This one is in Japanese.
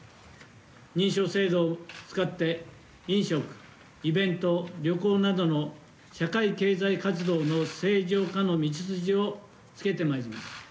認証制度を使って、飲食、イベント、旅行などの社会経済活動の正常化の道筋をつけてまいります。